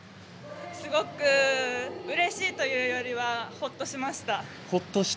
すごくうれしいというよりはほっとしました。